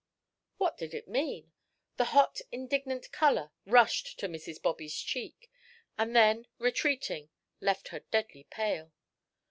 What did it mean? The hot, indignant color rushed to Mrs. Bobby's cheek, and then, retreating, left her deadly pale.